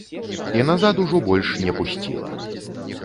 І назад ужо больш не пусціла.